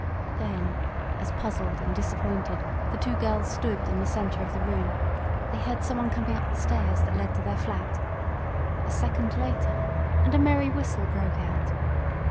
Then, as puzzled and disappointed, the two girls stood in the center of the room, they heard someone coming up the stairs that led to their flat. A second later and a merry whistle broke out.